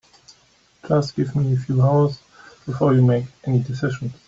Just give me a few hours before you make any decisions.